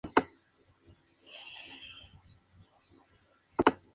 Actúan como factores de transcripción regulando la expresión de genes específicos.